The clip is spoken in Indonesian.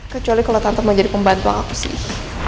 kecuali kalau tante mau jadi pembantu aku sih